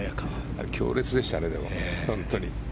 あれは強烈でしたね、本当に。